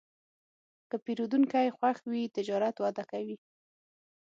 که پیرودونکی خوښ وي، تجارت وده کوي.